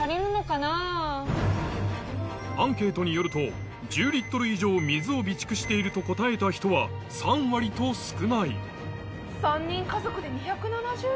アンケートによると１０以上水を備蓄していると答えた人は３割と少ない３人家族で２７０？